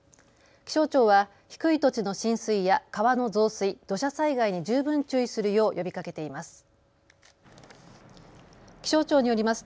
気象庁は低い土地の浸水や川の増水、土砂災害に十分注意するよう呼びかけています。